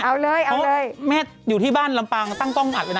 เอาเลยเอาเลยแม่อยู่ที่บ้านลำปางตั้งกล้องอัดไว้นะ